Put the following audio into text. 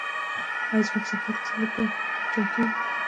آیا موږ زحمت ایستلو ته چمتو یو؟